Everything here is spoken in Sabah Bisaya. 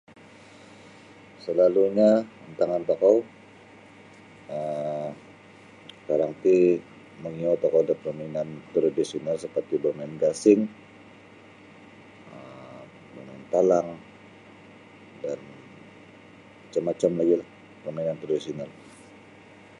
Salalunyo antangan tokou um sakarang ti mangiou tokou da parmainan tradisional seperti bamain gasing, um manangtalang dan macam-macam lagi lah permainan tradisional.